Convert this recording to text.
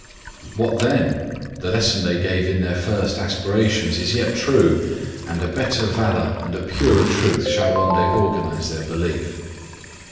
What then? The lesson they gave in their first aspirations is yet true; and a better valor and a purer truth shall one day organize their belief.